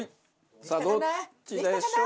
さあどっちでしょうか？